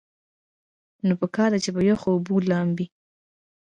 نو پکار ده چې پۀ يخو اوبو لامبي -